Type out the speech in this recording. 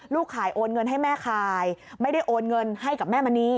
ขายโอนเงินให้แม่ขายไม่ได้โอนเงินให้กับแม่มณี